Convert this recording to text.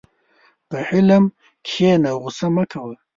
په حلم کښېنه، غوسه مه کوه.